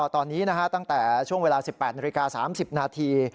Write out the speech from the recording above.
ตอนนี้ตั้งแต่ช่วงเวลา๑๘นาฬิกา๓๐นาที